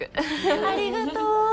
ありがとう。